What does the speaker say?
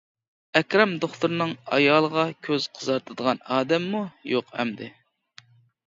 ئەكرەم دوختۇرنىڭ ئايالىغا كۆز قىزارتىدىغان ئادەممۇ يوق ئەمدى.